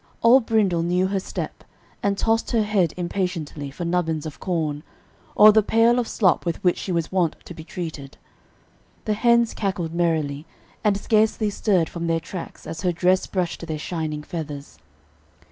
Old Brindle knew her step, and tossed her head impatiently for nubbins of corn, or the pail of slop with which she was wont to be treated. The hens cackled merrily, and scarcely stirred from their tracks, as her dress brushed their shining feathers.